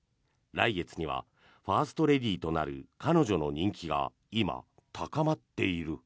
来月にはファーストレディーとなる彼女の人気が今、高まっている。